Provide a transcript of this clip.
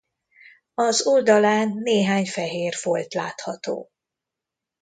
Az oldalán néhány fehér folt látható.